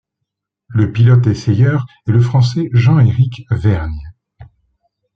Le pilote-essayeur est le Français Jean-Éric Vergne.